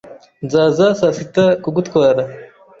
Nzaza saa sita kugutwara.